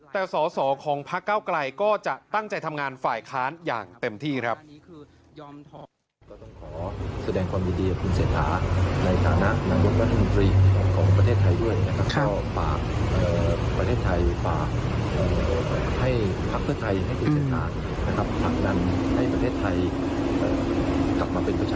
แต่สอสอของพักเก้าไกลก็จะตั้งใจทำงานฝ่ายค้านอย่างเต็มที่ครับ